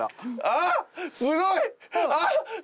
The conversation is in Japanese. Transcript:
あっすごい！